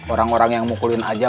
orang orang yang mukulin aja